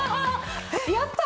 やった！